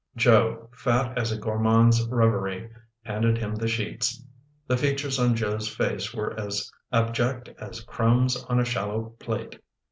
Joe, fat as a gourmand's revery, handed him the sheets. The features on Joe's face were as abject as crumbs on a shallow plate.